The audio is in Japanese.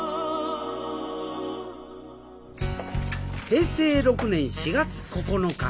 平成６年４月９日。